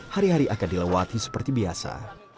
hari hari akan dilewati seperti biasa